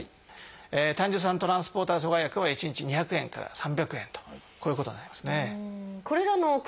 胆汁酸トランスポーター阻害薬は一日２００円から３００円とこういうことになりますね。